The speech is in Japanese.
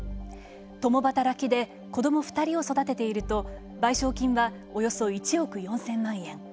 共働きで子ども２人を育てていると、賠償金はおよそ１億４０００万円。